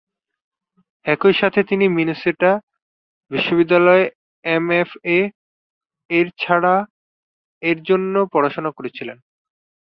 একই সাথে তিনি মিনেসোটা বিশ্ববিদ্যালয়ে এমএফএ-এর জন্য পড়াশোনা করেছিলেন।